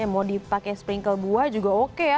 mau dipakai sprinkle buah juga oke ya